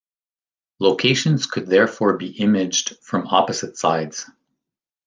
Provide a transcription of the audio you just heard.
Locations could therefore be imaged from opposite sides.